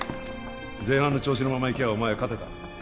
前半の調子のままいきゃお前は勝てた